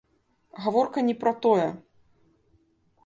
Гаворка не пра тое.